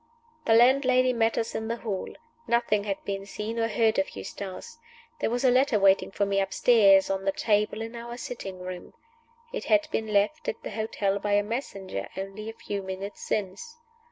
The landlady met us in the hall. Nothing had been seen or heard of Eustace. There was a letter waiting for me upstairs on the table in our sitting room. It had been left at the hotel by a messenger only a few minutes since.